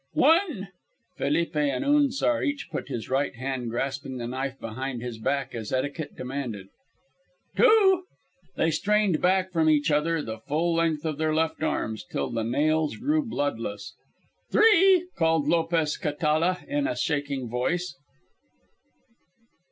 "One." Felipe and Unzar each put his right hand grasping the knife behind his back as etiquette demanded. "Two." They strained back from each other, the full length of their left arms, till the nails grew bloodless. "Three!" called Lopez Catala in a shaking voice.